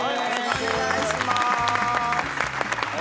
お願いしまーす！